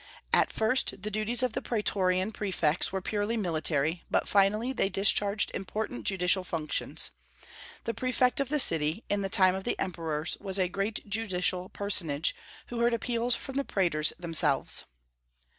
At first, the duties of the praetorian prefects were purely military, but finally they discharged important judicial functions. The prefect of the city, in the time of the emperors, was a great judicial personage, who heard appeals from the praetors themselves.